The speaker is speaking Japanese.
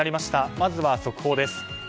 まずは速報です。